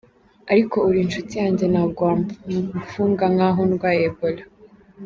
Ariko uri inshuti yanjye ntabwo wamfunga nkaho ndwaye Ebola.